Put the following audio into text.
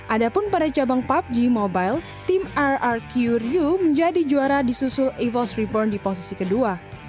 ada pun pada cabang pubg mobile tim rrq ryu menjadi juara disusul evo's reborn di posisi kedua